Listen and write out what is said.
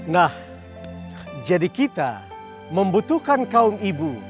nah jadi kita membutuhkan kaum ibu